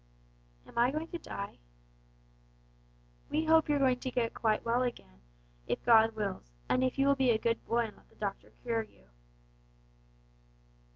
"Am I going to die?" "We hope you're going to get quite well again, if God wills, and if you will be a good boy and let the doctor cure you."